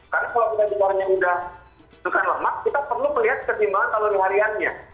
karena kalau kita sudah buka lemak kita perlu melihat keseimbangan kalori hariannya